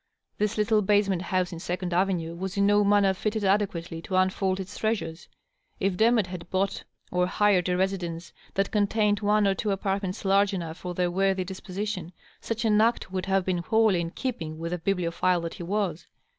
This little basement house in Second Avenue was ia no manner fitted adequately to unfold its treasures. If Demotte had bought or hired a residence that contained one or two apartments large enough for their worthy disposition, such an act would hav^ been wholly in keeping with the bibliophile that he was.